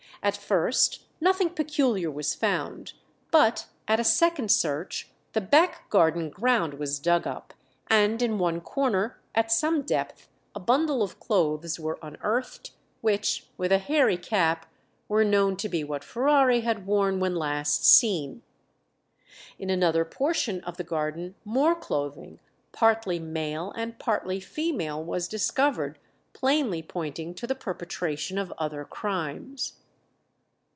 At first nothing peculiar was found; but at a second search the back garden ground was dug up, and in one corner, at some depth, a bundle of clothes were unearthed, which, with a hairy cap, were known to be what Ferrari had worn when last seen. In another portion of the garden more clothing, partly male and partly female, was discovered, plainly pointing to the perpetration of other crimes.